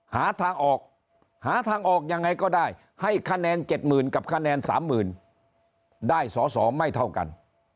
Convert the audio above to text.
หาทางออกหาทางออกยังไงก็ได้ให้คะแนน๗๐๐๐กับคะแนน๓๐๐๐ได้สอสอไม่เท่ากัน